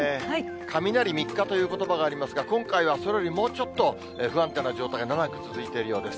雷三日ということばがありますけれども、今回はそれよりもうちょっと不安定な状態が長く続いているようです。